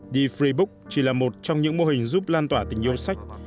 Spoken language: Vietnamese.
the free book chỉ là một trong những mô hình giúp lan tỏa tình yêu sách